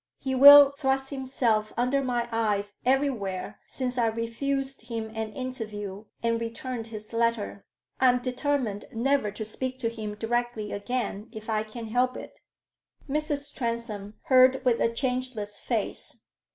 "He will thrust himself under my eyes everywhere since I refused him an interview and returned his letter. I'm determined never to speak to him directly again, if I can help it." Mrs. Transome heard with a changeless face.